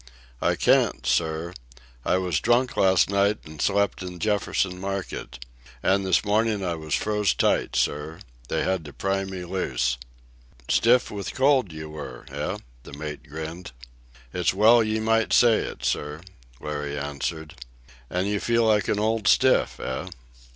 "I can't, sir. I was drunk last night an' slept in Jefferson Market. An' this mornin' I was froze tight, sir. They had to pry me loose." "Stiff with the cold you were, eh?" the mate grinned. "It's well ye might say it, sir," Larry answered. "And you feel like an old stiff, eh?"